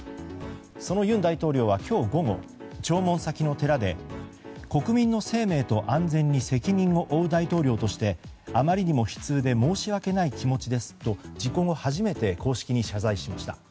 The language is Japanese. その尹大統領は今日午後弔問先の寺で国民の生命と安全に責任を負う大統領としてあまりにも悲痛で申し訳ない気持ちですと事故後初めて公式に謝罪しました。